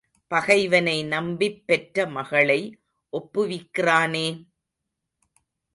பகைவனை நம்பிப் பெற்ற மகளை ஒப்புவிக்கிறானே?